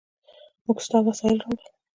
موږ ستا وسایل راوړل.